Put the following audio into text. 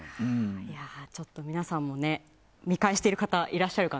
皆さんも見返している方いらっしゃるかな？